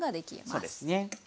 そうですね。